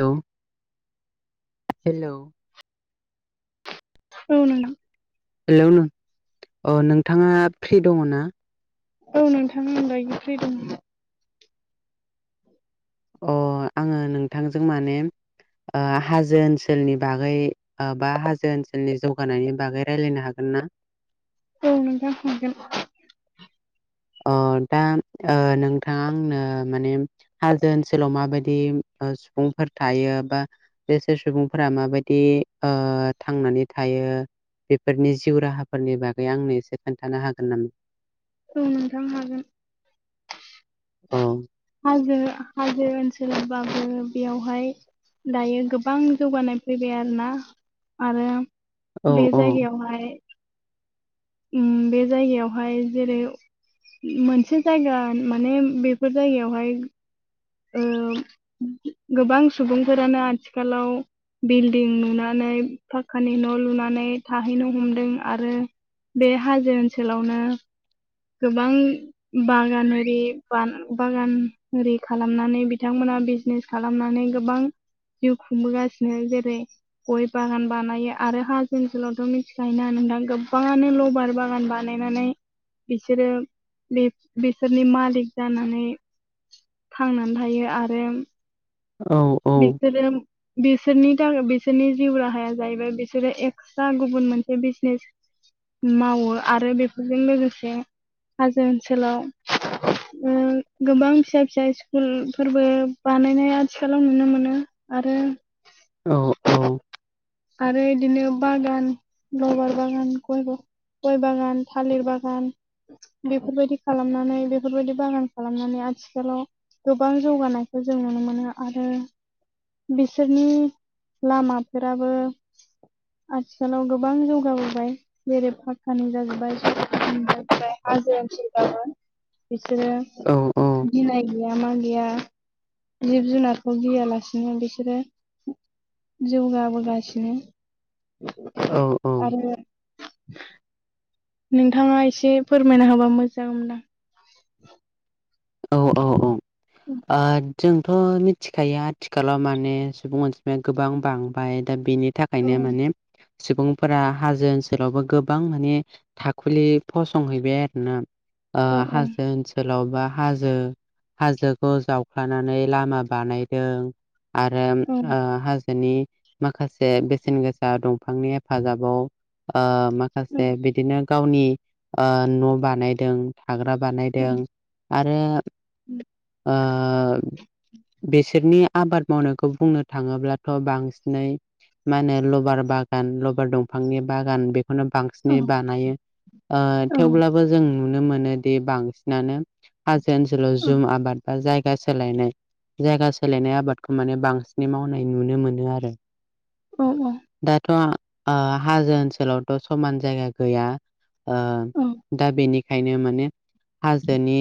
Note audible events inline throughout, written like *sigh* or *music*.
Hello hello औ नोंथां hello नों अ नोंथाङा फ्रि दङ ना? औ नोंथां आं दायो फ्रि दङ' अ आङो नोंथांजों माने ओ हाजो ओनसोलनि बागै बा हाजो ओनसोलनि जौगानायनि बागै रायलायनो हागोन ना औ नोंथां हागोन अ दा नोंथाङा आंनो माने हाजौ ओनसोलाव माबायदि सुबुंफोर थायो बा बेसोर सुबुंफोरा माबायदि थांनानै थायो बेफोरनि जिउ राहाफोरनि बागै आंनो एसे खोन्थानो हागोन नामा औ नोंथां हागोन औ हाजो हाजो ओनसोलाबाबो बेयावहाय दायो गोबां जौगानाय फैबाय आरोना आरो औ बे औ जायगायावहाय बे जायगायावहाय जेरै मोनसे जायगा माने बेफोर जायगायावहाय गोबां सुबुंफोरानो आथिखालाव बिल्डिं लुनानै पाक्कानि न' लुनानै थाहैनो हमदों आरो बे हाजो ओनसोलावनो गोबां बागानि बागानि खालामनानै बिथांमोना बिजनेस खालामनानै गोबां जिउ खुंबोगासिनो जेरै गय बागान बानायो आरो हाजो ओनसोलावथ' मिथिखायोना नोंथां गोबाङानो लबार बागान बानाय बानायनानै बिसोरो बिसोरनि मालिक जानानै थांनानै थायो आरो औ औ बिसोरो बिसोरनि थाखाय बिसोरनि जिउ राहाया जाहैबाय बिसोरो ए फिसा गुबुन मोनसे बिजनेस मावो आरो बेफोरजों लोगोसे हाजो ओनसोलाव गोबां फिसा फिसा स्कुलफोरबो बानायनाया आथिखालाव नुनो मोनो आरो औ आरो बिदिनो बागान रबार बागान गयबो गय बागान थालिर बागान बेफोरबायदि खालामनानै बेफोरबायदि बागान खालामनानै आथिखालाव गोबां जौगानायखौ जों नुनो मोनो आरो बिसोरनि लामाफोराबो आथिखालाव गोबां जौगाबोबाय जेरै पाकानि जाजोबबाय जों हाजो ओनसोलबाबो बिसोरो औ औ गिनाय गैया मा गैया जिब जुनारखौ गियालासे बिदिनो बिसोरो जौगाबोगासिनो औ औ। आरो नोंथाङा एसे फोरमायना होबा मोजां जागोन। औ औ औ। जोंथ' मिथिखायो आथिखालाव माने सुबुं अनजिमाया गोबां बांबाय दा बेनि थाखाय औ ओंखायनो माने सुबुंफोरा हाजो ओनसोलावबो गोबां माने थाखुलि फसंहैबाय आरोना औ हाजो ओनसोलाव बा हाजो हाजोखौ जावख्लानानै लामा बानायदों। आरो औ हाजोनि माखासे बेसेन गोसा दंफांनि हेफाजाबाव औ माखासे बि बिदिनो गावनि न' बानायदों थाग्रा औ बानायदों। आरो बिसोरनि आबाद मावनायखौ बुंनो थाङोब्लाथ' बांसिनै मा होनो लबार बागान लबार दंफांनि बागान बेखौनो बांसिन बांसिनै बानायो औ थेवब्लाबो जों नुनो मोनोदि बांसिनानो हाजो ओसोलाव औ जुम आबादा जायो। जायगा सोलायनाय जायगा सोलायनाय आबादखौ माने बांसिन मावनाय नुनो मोनो आरो। औ दाथ' हाजो ओनसोलावथ' समान जायगा गैया। औ दा बेनिखायनो माने हाजोनि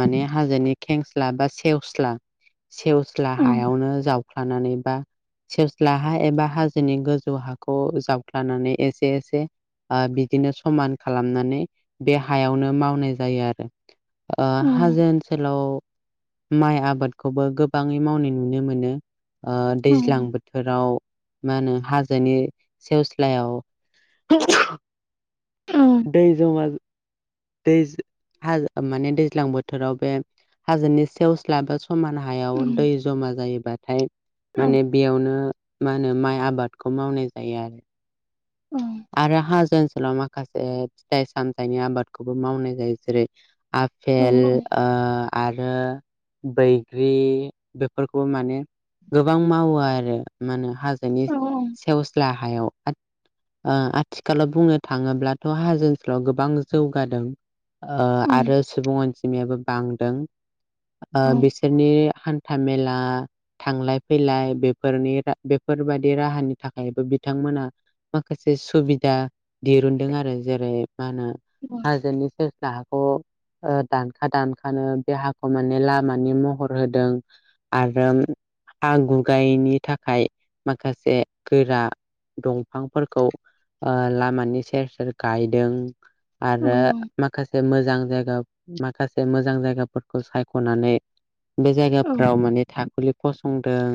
माने हाजोनि खेंस्ला बा सेवस्ला सेवस्ला औ हायावनो जाव ख्लानानै बा सेवस्ला हा एबा हाजोनि गोजौ हाखौ जावख्लानानै एसे एसे बिदिनो समान खालामनानै बे हायावनो मावनाय जायो आरो। ओ औ हाजो ओनसोलाव माइ आबादखौबो गोबाङै मावनाय नुनो मोनो। दैज्लां औ बोथोराव मा होनो हाजोनि सेवस्लायाव दै जामा दै हाज माने दैज्लां बोथोराव बे हाजोनि सेवस्ला एबा समान हायाव दै जमा जायोबाथाय माने बेयावनो मा होनो माइ आबादखौ मावनाय जायो आरो। ओं। आरो हाजो ओनसोलाव माखासे फिथाइ सामथाइनि आबादखौबो मावनाय जायो जेरै आफेल ओ आरो बैग्रि बेफोरखौ माने गोबां मावो आरो माने हाजो हाजोनि सेवस्ला हायाव आथिखालाव बुंनो थाङोब्लाथ' हाजो ओनसोलाव गोबां जौगादों। ओ आरो सुबुं अनजिमायाबो बांदों बिसोरनि हान था मेला थांलाय फैलाय बेफोरनि बेफोरबायदि राहानि थाखायबो बिथांमोना। माखासे सुबिदा दिरुनदों आरो जेरै मा होनो हाजोनि सेवसा हा खौ दानखा दानखानो देहाखौ माने लामानि महर होदों। आरो हाागुगायैनि थाखाय माखासे गोरा दंफां फोरखौ लामानि सेर सेर गायदों आरो माखासे मोजां जायगा माखासे मोजां जायगाफोरखौ सायख'नानै बे जायगाफोराव माने थाखुलि फसंदों।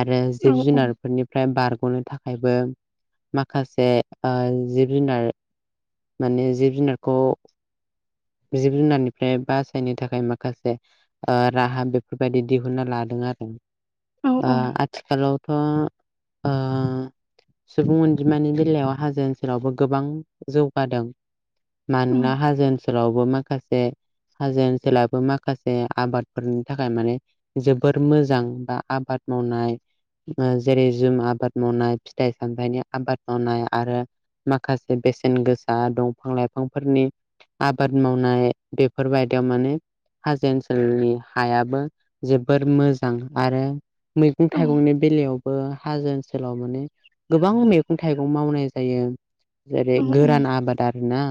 आरो जिब जुनारफोरनिफ्राय बारग'नो थाखायबो माखासे जिब जुनार माने जिब जुनारखौ जिब जुनारनिफ्राय बासायनो थाखाय माखासे ओ राहा बेफोरबायदि दिहुनना लादों आरो ओ आथिखालावथ' ओ सुबुं अनजिमानि बेलायाव हाजो ओनसोलावबो गोबां जौगादों मानोना हाजो ओनसोलावबो माखासे हाजो ओनसोलाबो माखासे आबादफोरनि थाखाय माने जोबोर मोजां बा आबाद मावनाय जेरै जुम आबाद मावनाय फिथाइ सामथाइनि आबाद मावनाय आरो माखासे बेसेन गोसा दंफां लाइफांफोरनि आबाद मावनाय बेफोरबायदियाव माने हाजो ओनसोलनि हायाबो जोबोर मोजां आरो मैगं थाइगंनि बेलायावबो हाजो ओनसोलाव माने गोबां मैगं थाइगं मावनाय जायो जेरै गोरान आबाद आरो ना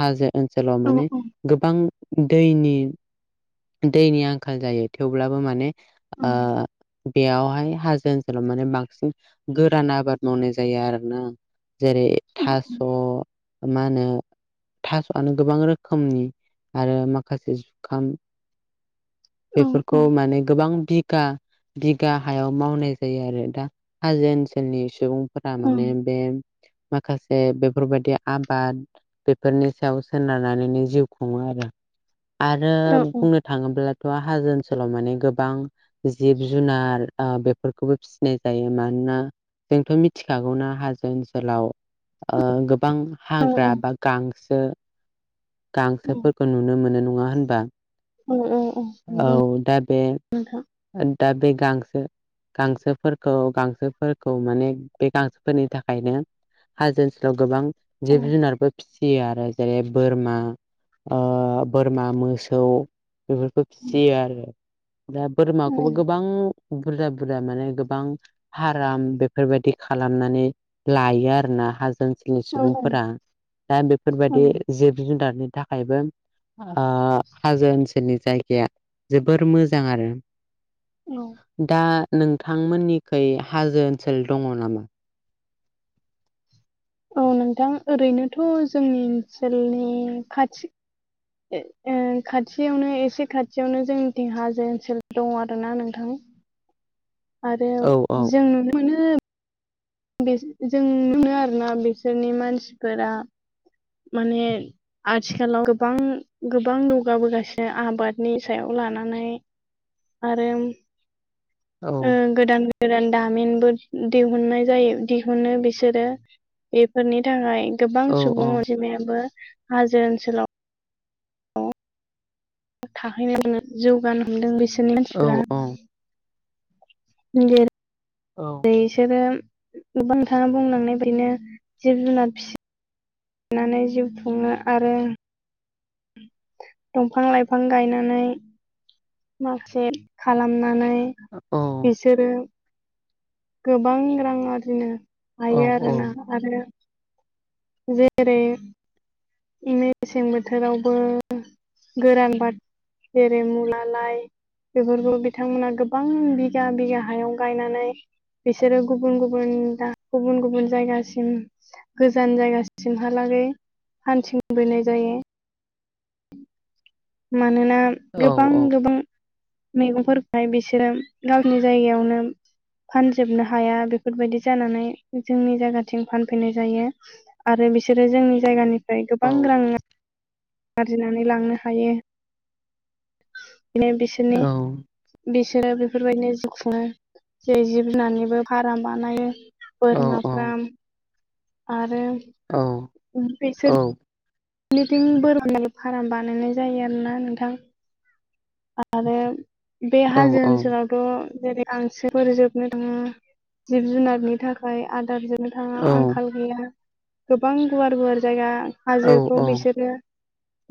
हाजो ओनसोलाव माने गोबां दैनि दैनि आंखाल जायो थेवब्लाबो माने ओ बेयावहाय हाजो ओनसोलाव माने बांसिन गोरान आबाद मावनाय जायो आरोना जेरै थास' मा होनो आनो गोबां रोखोमनि आरो माखासे जुखाम बेफोरखौ माने गोबां बिगा बिगा हायाव मावनाय जायो आरो दा हाजो ओनसोलनि सुबुंफोरा माने बे माखासे बेफोरबायदि आबाद बेफोरनि सायाव सोनारनानैनो जिउ खुङो आरो, आरो बुंनो थाङोब्लाथ' हाजो ओनसोलाव माने गोबां जिब-जुनार ओ बेफोरखौबो फिसिनाय जायो मानोना जोंथ' मिथिखागौना हाजो ओनसोलाव ओ गोबां हाग्रा औ बा गांसो औ गांसोफोरखौ नुनो मो मोनो नङा होनबा औ औ औ नंगौ दा बे नोंथां दा बे गांसो गांसोफोरखौ गांसोफोरखौ माने बे गांसोफोरनि थाखायनो हाजो ओनसोलाव गोबां औ जिब-जुनारबो फिसियो आरो जेरै बोरमा ओ बोरमा मोसौ बेफोरखौ औ फिसियो आरो दा बोरमाखौबो गोबां बुरजा बुरजा माने गोबां फाराम बेफोरबायदि खालामनानै लायो आरोना हाजो ओन सोलनि औ सुबुंफोरा दा औ बेफोरबायदि जिब-जुनारनि थाखायबो ओ हाजो ओनसोलनि जायगाया जोबोर मोजां आरो दा नोंथांमोननिखै हाजो ओनसोल दङ' नामा? औ नोंथां ओरैनोथ' जोंनि ओनसोलनि खाथि ओ खाथियावनो एसे खाथियावनो जोंनिथिं हाजो ओनसोल दङ' आरोना नोंथां आरो औ औ जों नुनो मोनो बे जों नुयो आरोना बिसोरनि मानसिफोरा माने आथिखालाव गोबां गोबां जौगाबोगासिनो आबादनि सायाव लानानै आरो औ ओ गोदान गोदान दामिनबो दिहुननाय जायो दिहुनो बिसोरो बेफोरनि थाखाय गोबां औ औ सुबुं अनजिमायाबो हाजो ओनसोलाव *unintelligible* थाहैनो मोनो जौगानो हमदों बिसोरनि औ मानसिफ्रा *unintelligible* औ बिसोरो गोबां नोंथाङा बुंलांनाय बायदिनो जिब-जुनार फिसि नानै जिउ खुङो आरो दंफां-लाइफां गायनानै माखासे खालामनानै औ बिसोरो गोबां रां आरजिनो औ हायो आरोना औ आरो जेरै मेसें बोथोरावबो गोरान बाथ जेरै मुला लाइ बेफोरखौ बिथांमोना गोबां बिगा बिगा हायाव गायनानै बिसोरो गुबुन गुबुन दा गुबुन गुबुन जायगासिम गोजान जायगासिमहालागै फानथिं बोनाय जायो मानोना औ गोबां गोबां मैगंफोरखौहाय बिसोरो गावनि जायगायावनो फानजोबनो हाया बेफोरबायदि जानानै जोंनि जायगाथिं फानफैनाय जायो आरो बिसोरो जोंनि जायगानिफ्राय औ गोबां रां आरजिनानै लांनो हायो बिनो औ बिसोरनि बिसोरो बेफोरबायदि जिउ खुङो जेरै जिब जुनारनिबो फारम बानायो औ औ बोरमा फ्राम आरो *unintelligible* निथिं बोरमानि *unintelligible* फाराम बानायनाय जायो आरोना नोंथां आरो बे औ हाजो ओनसोलाव थ' जेरै आं सोफोर जोबनो थाङा जिब जुनारनि थाखाय आदार जों थाङा आंखाल गैया गोबां गुवार गुवार जायगा हाजोखौ बिसोरो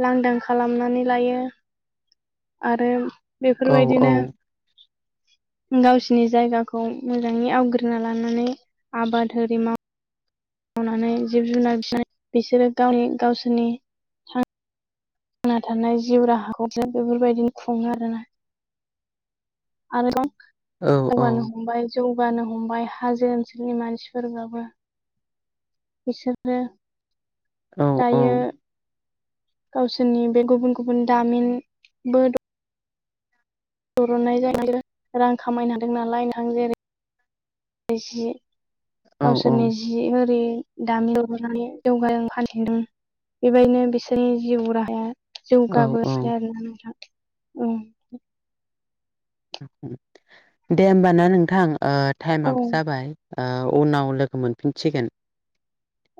लांदां खालामनानै लायो आरो बेफोरबायदिनो *inaudible* गावसिनि जायगाखौ मोजाङै आवग्रिना लानानै आबादारि होरि माव मावनानै जिब जुनार *unintelligible* बिसोरो गावनि गावसोरनि थांना थानाय जिउ राहाखौफ्रा *unintelligible* बेफोरबायदिनो खुङो आरोना आरोबाव दावगानो हमबाय जौगानो हमबाय हाजो ओनसोलनि मानसिफोराबो बिसोरनो दायो गावसोरनि बे गुबुन गुबुन दामिनबो दं बरननाय जायो रां खामायनो हादों नालाय नोंथां जेरै जि औ गावसोरनि जि होरि दामि न' लुनानै *unintelligible* बेबायदिनो बिसोरनि जिउ राहाया जौगाबोसि औ आरोना नोंथां ओं दे ओमबाना नोंथां ओ औ टाइमाबो जाबाय ओ उनाव लोगो मोनफिनसिगोन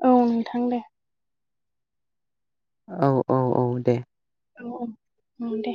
औ नोंथां दे औ औ औ दे औ औ दे